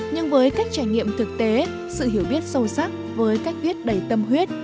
nhưng với cách trải nghiệm thực tế sự hiểu biết sâu sắc với cách viết đầy tâm huyết